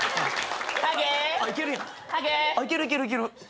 いけるいけるいける。